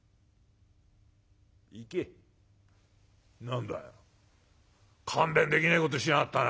「何だよ勘弁できねえことしやがったな。